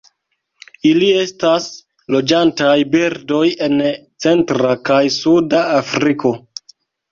Ili estas loĝantaj birdoj en centra kaj suda Afriko.